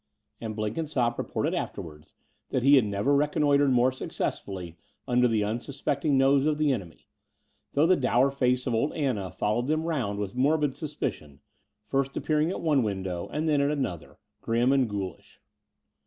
And Blenkinsopp reported afterwards that he had never reconnoitred more successfully under the unsuspecting nose of the enemy, though the doiu: face of old Anna followed them round with morbid suspicion, first appearing at one window and then at another — grim and ghoulish.